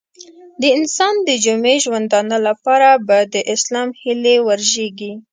د انسان د جمعي ژوندانه لپاره به د اسلام هیلې ورژېږي.